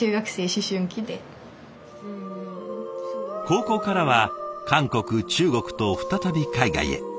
高校からは韓国中国と再び海外へ。